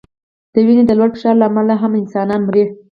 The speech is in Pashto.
د وینې د لوړ فشار له امله هم انسانان مري.